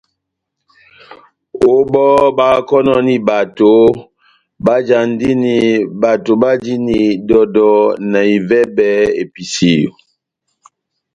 Ó bɔ́ báhákɔnɔni bato, báhájandini bato bajini dɔdɔ na ivɛbɛ episeyo.